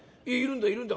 「いるんだ。